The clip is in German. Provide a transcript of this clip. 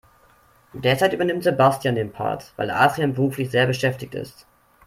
Derzeit übernimmt Sebastian den Part, weil Adrian beruflich sehr beschäftigt ist.